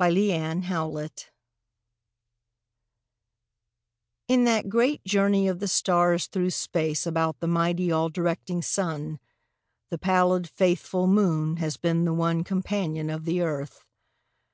A SOLAR ECLIPSE In that great journey of the stars through space About the mighty, all directing Sun, The pallid, faithful Moon has been the one Companion of the Earth.